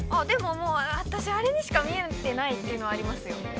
でももう私あれにしか見えてないっていうのありますよ。